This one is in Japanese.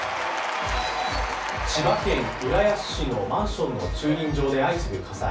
千葉県浦安市のマンションの駐輪場で相次ぐ火災。